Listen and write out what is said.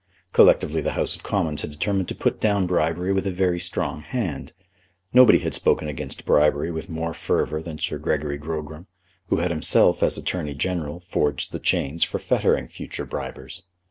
Collectively the House of Commons had determined to put down bribery with a very strong hand. Nobody had spoken against bribery with more fervour than Sir Gregory Grogram, who had himself, as Attorney General, forged the chains for fettering future bribers.